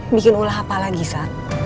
bikin ulah apa lagi sah